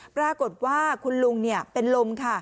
ปรากฏว่าคุณลุงเป็นลมค่ะ